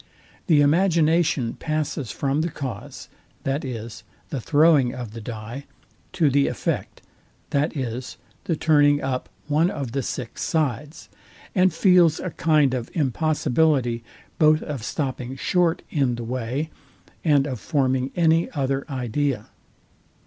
The imagination passes from the cause, viz. the throwing of the dye, to the effect, viz. the turning up one of the six sides; and feels a kind of impossibility both of stopping short in the way, and of forming any other idea.